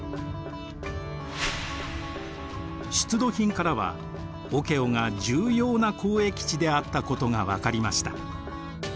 出土品からはオケオが重要な交易地であったことが分かりました。